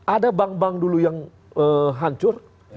ada bank bank dulu yang hancur